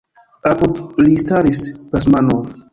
Apud li staris Basmanov.